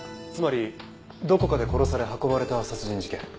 つまりどこかで殺され運ばれた殺人事件。